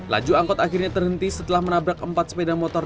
laju angkot akhirnya terhenti setelah menabrak empat sepeda motor